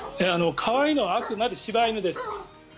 可愛いのはあくまで柴犬です。